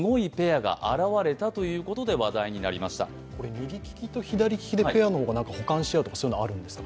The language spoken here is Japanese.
右利きと左利きでペアの方が補完し合うとかあるんですか？